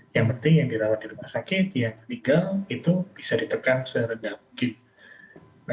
yang penting yang dirawat di rumah sakit yang legal itu bisa ditekan serendah mungkin